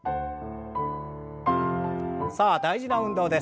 さあ大事な運動です。